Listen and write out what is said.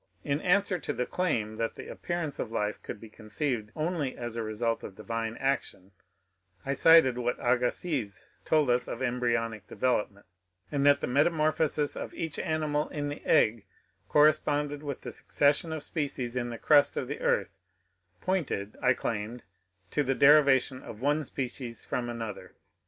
In answer to the claim that the appearance of life could be conceived only as a result of divine action, I cited what Agas siz told us of embryonic development ; and that the metamor phoses of each animal in the egg corresponded with the succession of species in the crust of the earth, pointed, I claimed, to the derivation of one species from another.